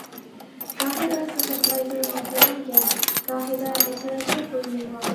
گاھىدا كاچاتلايدۇ يۈزلىرىمگە، گاھىدا ئېسىلىدۇ بوينۇمغا.